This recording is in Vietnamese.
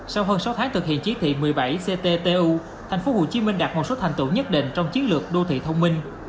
sau hơn sáu tháng thực hiện chỉ thị một mươi bảy cttu tp hcm đạt một số thành tựu nhất định trong chiến lược đô thị thông minh